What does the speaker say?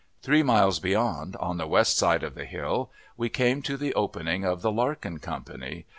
Three miles beyond, on the west face of the bill, we came to the opening of the "Larkin Company."